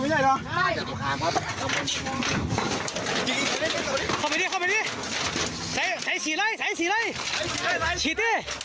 ยายอยู่ไหม